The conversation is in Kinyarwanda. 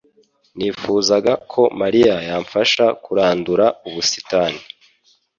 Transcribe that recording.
Nifuzaga ko mariya yamfasha kurandura ubusitani